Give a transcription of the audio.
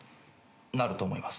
なると思います。